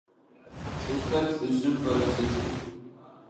Цӏыфхэр лӏыжъым фэрэзэщтых.